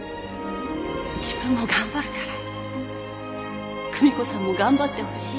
自分も頑張るから久美子さんも頑張ってほしい。